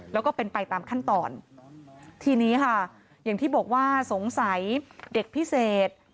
แล้วก็เป็นไปตามขั้นตอนทีนี้ค่ะอย่างที่บอกว่าสงสัยเด็กพิเศษ